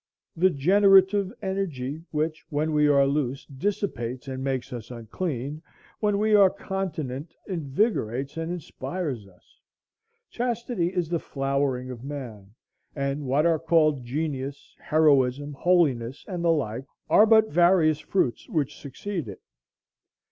The generative energy, which, when we are loose, dissipates and makes us unclean, when we are continent invigorates and inspires us. Chastity is the flowering of man; and what are called Genius, Heroism, Holiness, and the like, are but various fruits which succeed it.